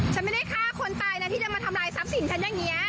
ฉันไม่ได้ฆ่าคนตายนะที่จะมาทำลายทรัพย์สินฉันอย่างนี้